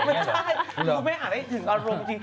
พวกเม่อ่านได้ถึงอารมณ์ที่